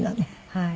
はい。